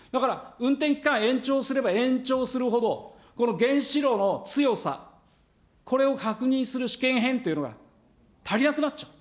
だから、運転期間延長すれば延長するほど、この原子炉の強さ、これを確認する試験片というのが足りなくなっちゃう。